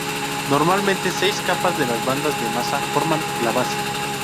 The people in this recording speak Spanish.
Normalmente, seis capas de las bandas de masa forman la base.